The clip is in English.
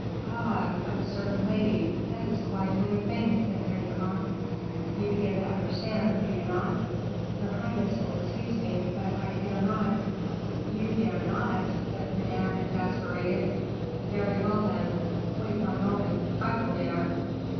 "Ah! of a certain lady, this is quite another thing," said Manicamp. "You begin to understand, do you not?" "Your highness will excuse me, but I dare not " "You dare not," said Madame, exasperated; "very well, then, wait one moment, I will dare."